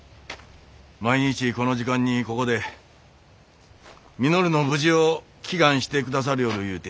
毎日この時間にここで稔の無事を祈願してくださりょうるいうて。